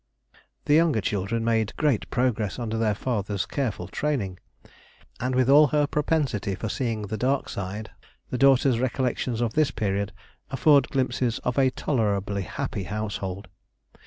_] The younger children made great progress under their father's careful training, and with all her propensity for seeing the dark side, the daughter's recollections of this period afford glimpses of a tolerably happy household.